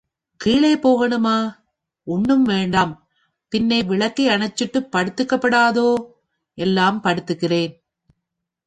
கீழே போகனுமா? ஒண்ணும் வேண்டாம். பின்னே விளக்கை அணைச்சுட்டுப் படுத்துக்கப்படாதோ? எல்லாம் படுத்துக்கறேன்.